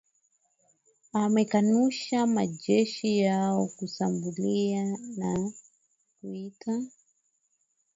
amekanusha majeshi yao kushambulia na kuita